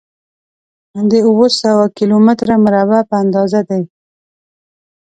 د اووه سوه کيلو متره مربع په اندازه دی.